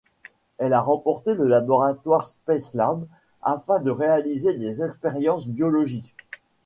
Elle a emporté le laboratoire Spacelab afin de réaliser des expériences biologiques.